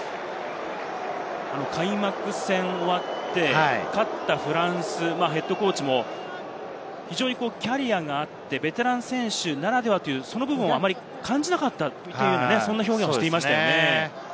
開幕戦を終わって勝ったフランスＨＣも非常にキャリアがあったベテラン選手ならではという部分はあまり感じなかったという表現をしていました。